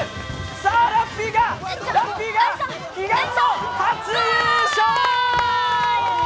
さあ、ラッピーが悲願の初優勝！